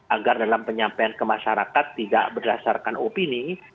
agar dalam penyampaian ke masyarakat tidak berdasarkan opini